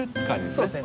そうですね。